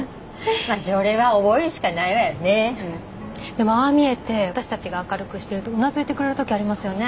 でもああ見えて私たちが明るくしてるとうなずいてくれる時ありますよね。